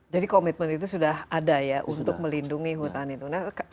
jadi komitmen itu sudah ada ya untuk melindungi hutan itu